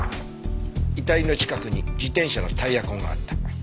遺体の近くに自転車のタイヤ痕があった。